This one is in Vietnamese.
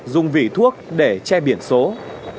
dùng vỉ thuốc để che biển số xe taxi